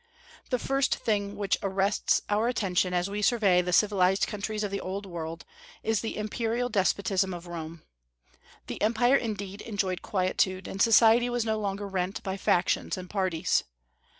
The first thing which arrests our attention as we survey the civilized countries of the old world, is the imperial despotism of Rome. The empire indeed enjoyed quietude, and society was no longer rent by factions and parties.